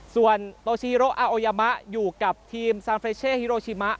ส่วนโตซีโรอาโอยามะอยู่กับทีมซานเฟรเช่ฮิโรชิมะ